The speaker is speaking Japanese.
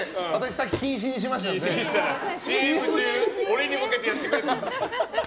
さっき禁止にしましたので俺に向けてやってくれて。